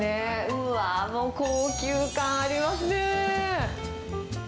うわー、もう高級感ありますね。